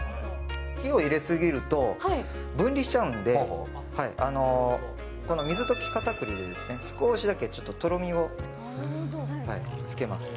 火を入れ過ぎると分離しちゃうんで、この水溶きかたくりで、少しだけちょっととろみをつけます。